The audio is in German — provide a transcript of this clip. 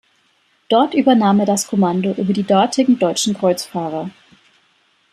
Dort übernahm er das Kommando über die dortigen deutschen Kreuzfahrer.